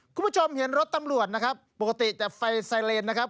คุณผู้ชมเห็นรถตำรวจนะครับปกติแต่ไฟไซเลนนะครับ